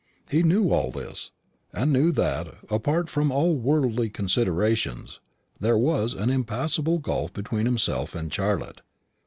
He knew all this; and knew that, apart from all worldly considerations, there was an impassable gulf between himself and Charlotte.